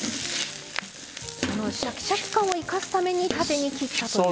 シャキシャキ感を生かすために縦に切ったという。